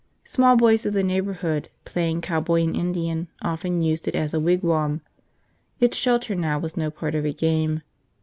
Small boys of the neighborhood, playing cowboy and Indian, often used it as a wigwam. Its shelter now was no part of a game.